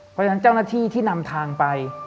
เพราะฉะนั้นเจ้าหน้าที่ที่นำทางไป